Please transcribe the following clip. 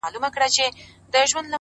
• که ژوند راکوې ـ